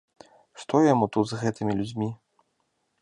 Што яму тут з гэтымі людзьмі?